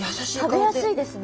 食べやすいですね。